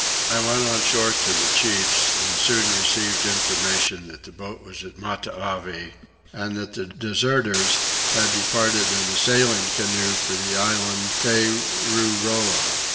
I went on shore to the chiefs and soon received information that the boat was at Matavai; and that the deserters had departed in a sailing canoe for the island Tethuroa.